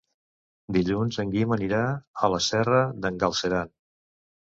Dilluns en Guim anirà a la Serra d'en Galceran.